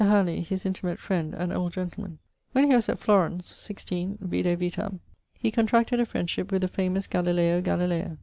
... Hallely_, his intimate friend, an old gent. When he was at Florence (16..; vide vitam) he contracted a friendship with the famous Galileo Galileo